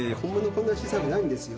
こんな小さくないんですよ。